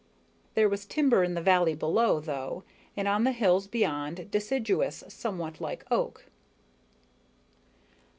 There was timber in the valley below, though, and on the hills beyond, deciduous, somewhat like oak.